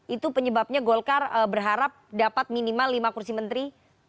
itu penyebabnya golkar berharap dapat minimal lima kursi menteri